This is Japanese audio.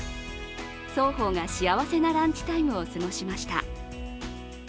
双方が幸せなランタイムを過ごしました。